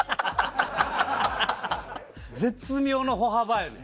絶妙の歩幅やんね。